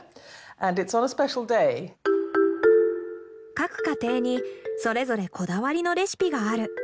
各家庭にそれぞれこだわりのレシピがある。